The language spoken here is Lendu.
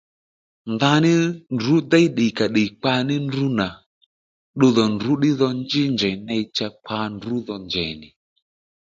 Ndaní ndrǔ déy ddìkàddì kpa ní ndrǔ nà ddiydhò ndrǔ ddí dho njí njèy ney cha kpa ndrǔ dho njèy nì